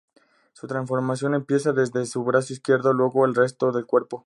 Su transformación empieza desde su brazo izquierdo, luego el resto del cuerpo.